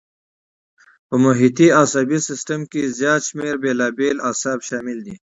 په محیطي عصبي سیستم کې زیات شمېر بېلابېل اعصاب شامل دي.